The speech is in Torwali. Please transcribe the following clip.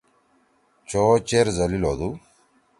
چو چیر ذلیل ہودُو۔